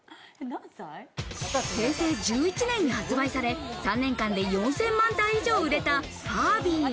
平成１１年に発売され、３年間で４０００万体以上売れたファービー。